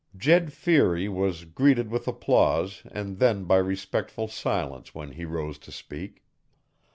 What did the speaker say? Jed Feary was greeted with applause and then by respectful silence when he rose to speak.